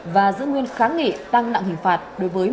và giữ nguyên kháng nghị tăng nặng hình phạt đối với một mươi bị cáo